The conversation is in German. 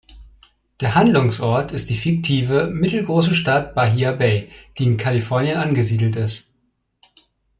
Der Handlungsort ist die fiktive, mittelgroße Stadt Bahia Bay, die in Kalifornien angesiedelt ist.